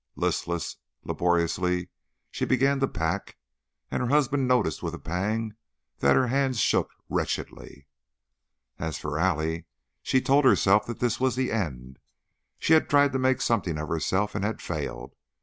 Listlessly, laboriously she began to pack, and her husband noticed with a pang that her hands shook wretchedly. As for Allie, she told herself that this was the end. She had tried to make something of herself and had failed.